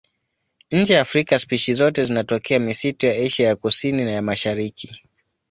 Nje ya Afrika spishi zote zinatokea misitu ya Asia ya Kusini na ya Mashariki.